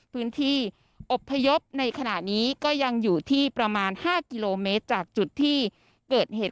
อบพยพในขณะนี้ก็ยังอยู่ที่ประมาณ๕กิโลเมตรจากจุดที่เกิดเหตุ